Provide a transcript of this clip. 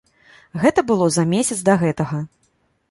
Гэта было за месяц да гэтага.